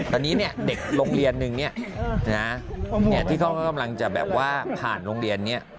ตอนนี้เด็กโรงเรียนนึงเนี่ยนะที่เขากำลังจะแบบว่าผ่านโรงเรียนนี้